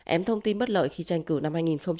em thông tin bất lợi khi tranh cử năm hai nghìn một mươi sáu